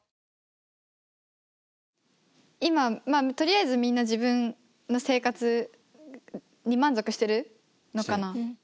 今まあとりあえずみんな自分の生活に満足してるのかな。